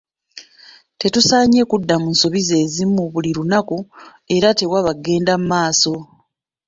Tetusaanye kudda mu nsobi zeezimu buli lunaku era tewaba kugenda mu maaso.